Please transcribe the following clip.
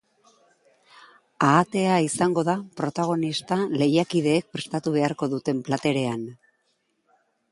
Ahatea izango da protagonista lehiakideek prestatu beharko duten platerean.